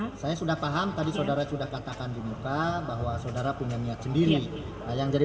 hai saya sudah paham tadi saudara sudah katakan di muka bahwa saudara punya niat sendiri yang jadi